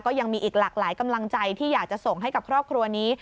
ยังมีอีกหลากหลายกำลังใจที่อยากจะส่งให้กับครอบครัวนี้